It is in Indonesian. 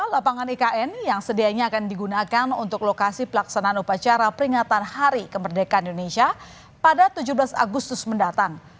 lapangan ikn yang sedianya akan digunakan untuk lokasi pelaksanaan upacara peringatan hari kemerdekaan indonesia pada tujuh belas agustus mendatang